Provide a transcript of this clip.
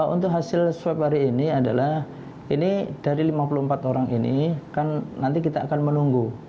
untuk hasil swab hari ini adalah ini dari lima puluh empat orang ini kan nanti kita akan menunggu